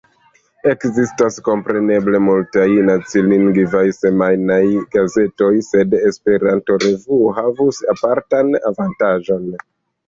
Ekzistas kompreneble multaj nacilingvaj semajnaj gazetoj, sed Esperanto-revuo havus apartan avantaĝon.